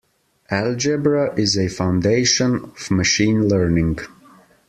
Algebra is a foundation of Machine Learning.